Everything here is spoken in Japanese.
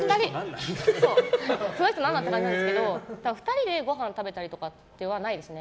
その人何だって感じなんですけど２人でごはん食べたりとかはないですね。